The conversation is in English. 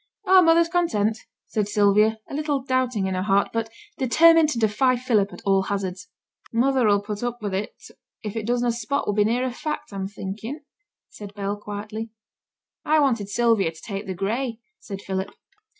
'Oh, mother's content,' said Sylvia, a little doubting in her heart, but determined to defy Philip at all hazards. 'Mother 'll put up with it if it does na spot would be nearer fact, I'm thinking,' said Bell, quietly. 'I wanted Sylvia to take the gray,' said Philip.